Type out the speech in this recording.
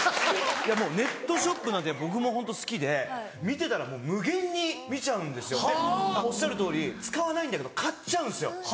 いやもうネットショップなんて僕もホント好きで見てたら無限に見ちゃうんですよでおっしゃるとおり使わないんだけど買っちゃうんですよ。